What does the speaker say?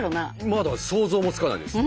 まだ想像もつかないです。